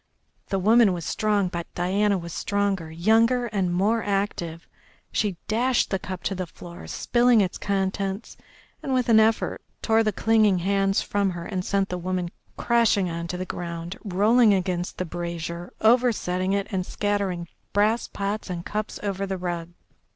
The woman was strong, but Diana was stronger, younger and more active. She dashed the cup to the floor, spilling its contents, and, with an effort, tore the clinging hands from her and sent the woman crashing on to the ground, rolling against the brazier, oversetting it, and scattering brass pots and cups over the rug.